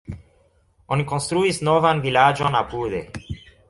Oni konstruis novan vilaĝon apude.